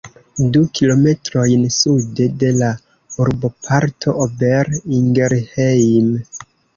Du kilometrojn sude de la urboparto Ober-Ingelheim.